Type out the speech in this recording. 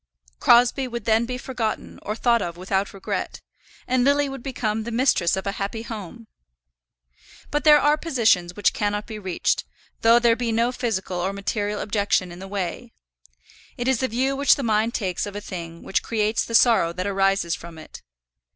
Crosbie would then be forgotten or thought of without regret, and Lily would become the mistress of a happy home. But there are positions which cannot be reached, though there be no physical or material objection in the way. It is the view which the mind takes of a thing which creates the sorrow that arises from it.